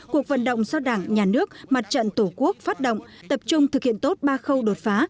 cuộc vận động do đảng nhà nước mặt trận tổ quốc phát động tập trung thực hiện tốt ba khâu đột phá